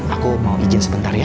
aku mau izin sebentar ya